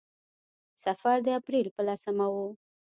سفر د اپرېل په لسمه و.